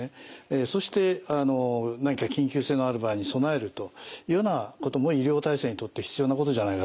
そして何か緊急性のある場合に備えるというようなことも医療体制にとって必要なことじゃないかと思います。